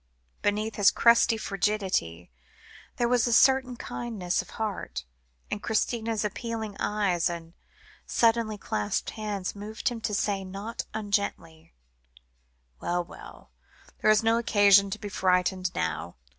Beneath his crust of frigidity, there was a certain kindliness of heart, and Christina's appealing eyes, and suddenly clasped hands, moved him to say, not ungently "Well, well, there is no occasion to be frightened now.